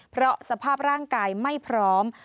เพราะสภาพร่างกายไม่พร้อม